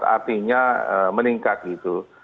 artinya meningkat gitu